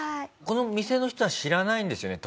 この店の人は知らないんですよね